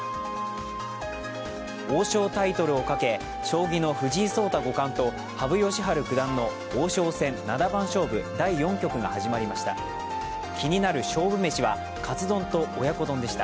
王将タイトルをかけ、将棋の藤井聡太五冠と羽生善治九段の王将戦七番勝負第４局が始まりました。